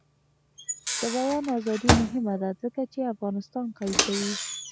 د بیان ازادي مهمه ده ځکه چې افغانستان قوي کوي.